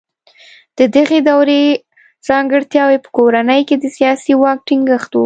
د دغې دورې ځانګړتیاوې په کورنۍ کې د سیاسي واک ټینګښت و.